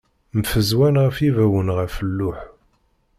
Mfezwan am yibawen ɣef lluḥ.